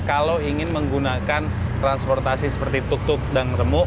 kalau ingin menggunakan transportasi seperti tuk tuk dan remuk